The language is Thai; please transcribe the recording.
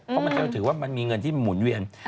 เพราะมันจะถือว่ามันมีเงินที่หมุนเวียน